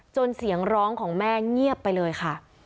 เสียงร้องของแม่เงียบไปเลยค่ะ